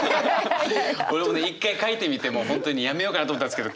俺もね一回描いてみてもう本当にやめようかなと思ったんですけど。